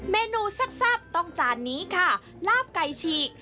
เมนูแซ่บต้องจานนี้ค่ะลาบไก่ฉีก